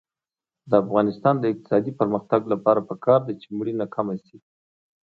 د افغانستان د اقتصادي پرمختګ لپاره پکار ده چې مړینه کمه شي.